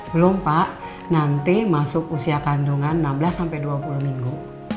belum pak nanti masuk usia kandungan enam belas sampai dua puluh minggu